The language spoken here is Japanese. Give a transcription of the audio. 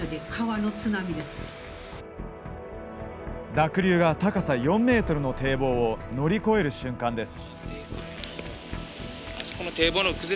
濁流が高さ４ｍの堤防を乗り越える瞬間です。